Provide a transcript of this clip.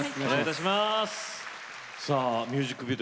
ミュージックビデオ